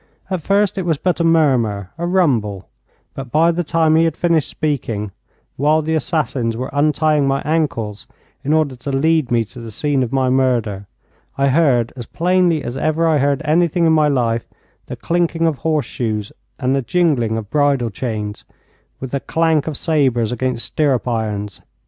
At first it was but a murmur, a rumble, but by the time he had finished speaking, while the assassins were untying my ankles in order to lead me to the scene of my murder, I heard, as plainly as ever I heard anything in my life, the clinking of horseshoes and the jingling of bridle chains, with the clank of sabres against stirrup irons.